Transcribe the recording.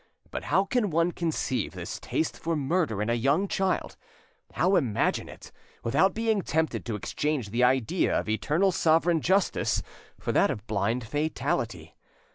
But how can one conceive this taste for murder in a young child, how imagine it, without being tempted to exchange the idea of eternal sovereign justice for that of blind fatality?